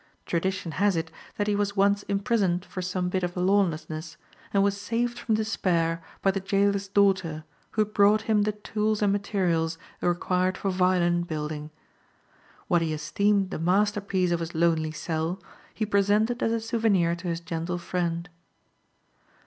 Tradition has it that he was once imprisoned for some bit of lawlessness, and was saved from despair by the jailor's daughter who brought him the tools and materials required for violin building. What he esteemed the masterpiece of his lonely cell he presented as a souvenir to his gentle friend.